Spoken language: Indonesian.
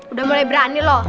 udah mulai berani lo